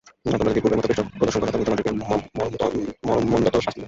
আর তোমরা যদি পূর্বের মত পৃষ্ঠপ্রদর্শন কর, তিনি তোমাদেরকে মর্মন্তুদ শাস্তি দেবেন।